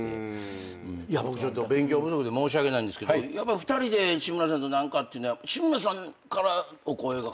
僕ちょっと勉強不足で申し訳ないんですけど２人で志村さんと何かって志村さんからお声が。